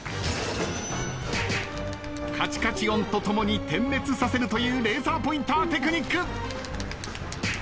カチカチ音と共に点滅させるというレーザーポインターテクニック。